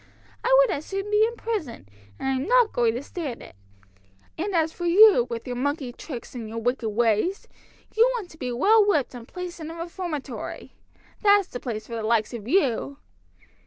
I would as soon be in prison, and I'm not going to stand it. And as for you, with your monkey tricks and your wicked ways, you want to be well whipped and placed in a reformatory. That's the place for the likes of you!"